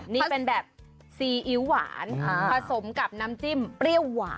นี่เป็นแบบซีอิ๊วหวานผสมกับน้ำจิ้มเปรี้ยวหวาน